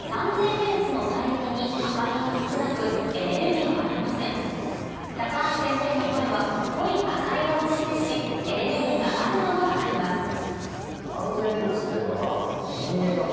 ヘルツの帯域に赤みが少なくエネルギーがありません高橋先生の声は濃い赤色を示しエネルギーがあるのが分かりますお！